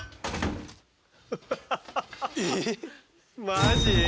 マジ？